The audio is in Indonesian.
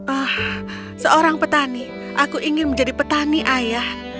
ah seorang petani aku ingin menjadi petani ayah